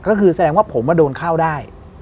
ก็คือแสดงว่าผมโดนเข้าได้